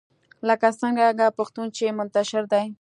لکه څرنګه پښتون چې منتشر دی